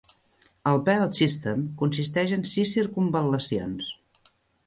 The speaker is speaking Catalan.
El Belt System consisteix en sis circumval·lacions.